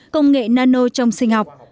công nghệ nano trong sinh hạt